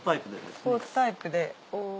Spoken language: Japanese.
スポーツタイプで。